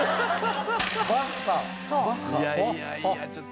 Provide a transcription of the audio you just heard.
いやいやいやちょっと。